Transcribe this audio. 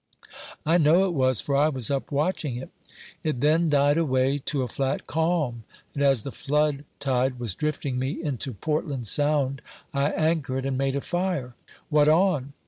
"I know it was; for I was up watching it." "It then died away to a flat calm; and as the flood tide was drifting me into Portland Sound, I anchored and made a fire." "What on?"